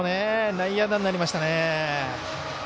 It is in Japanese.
内野安打になりましたね。